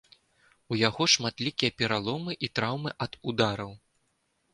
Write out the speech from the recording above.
У яго шматлікія пераломы і траўмы ад удараў.